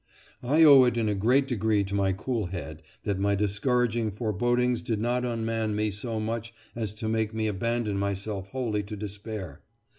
I owe it in a great degree to my cool head that my discouraging forebodings did not unman me so much as to make me abandon myself wholly to despair.